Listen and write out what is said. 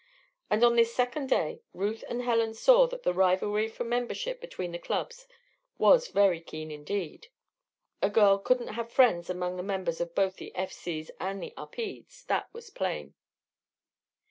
And on this second day Ruth and Helen saw that the rivalry for membership between the clubs was very keen indeed. A girl couldn't have friends among the members of both the F. C.'s and the Upedes that was plain.